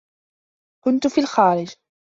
كنت في الخارج.